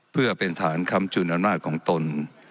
เพื่อเป็นฐานคำจุนอำนาจของตน